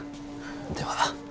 では。